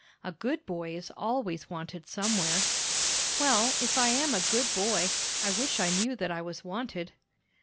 A good boy is always wanted somewhere." "Well, if I am a good boy, I wish that I knew that I was wanted."